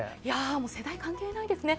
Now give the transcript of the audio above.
世代関係ないですね。